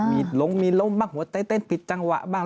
มีหลงมีล้มบ้างหัวเต้นผิดจังหวะบ้าง